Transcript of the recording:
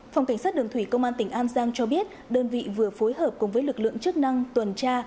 phòng cảnh sát đường thủy công an tỉnh an giang cho biết đơn vị vừa phối hợp cùng với lực lượng chức năng tuần tra